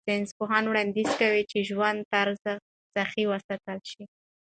ساینسپوهان وړاندیز کوي چې ژوند طرز صحي وساتل شي.